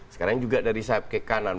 sekarang juga dari sayap ke kanan